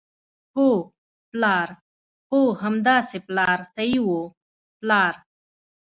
هو، پلار، هو همداسې پلار صحیح وو، پلار.